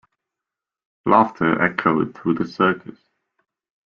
Laughter echoed through the circus.